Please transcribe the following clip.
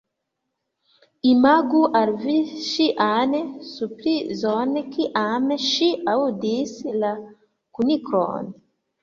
Imagu al vi ŝian surprizon kiam ŝi aŭdis la kuniklon.